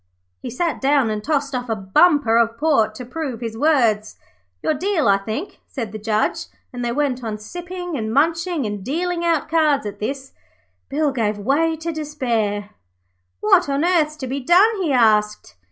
He sat down and tossed off a bumper of port to prove his words. 'Your deal, I think,' said the Judge, and they went on sipping and munching and dealing out cards. At this, Bill gave way to despair. 'What on earth's to be done?' he asked.